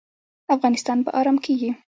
افغانستان به ارام کیږي